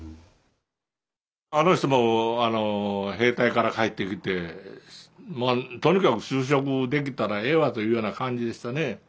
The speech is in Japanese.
あの人も兵隊から帰ってきてとにかく就職できたらええわというような感じでしたね。